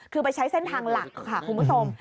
คือไปใช้เส้นทางหลักค่ะคุณผู้ชม